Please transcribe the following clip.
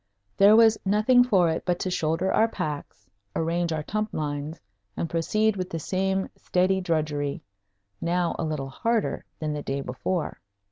There was nothing for it but to shoulder our packs, arrange our tump lines, and proceed with the same steady drudgery now a little harder than the day before.